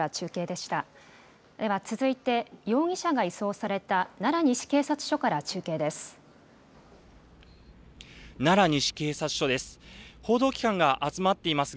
では続いて、容疑者が移送された奈良西警察署から中継です。